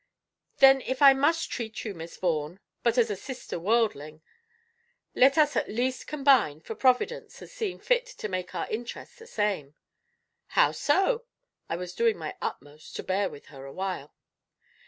"Then if I must treat you, Miss Vaughan, but as a sister worldling, let us at least combine, for Providence has seen fit to make our interests the same." "How so?" I was doing my utmost to bear with her awhile.